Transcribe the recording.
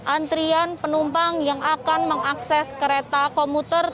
antrian penumpang yang akan mengakses kereta komuter